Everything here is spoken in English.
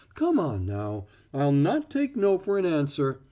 Come on, now, I'll not take no for an answer.